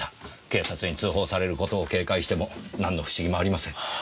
警察に通報される事を警戒しても何の不思議もありません。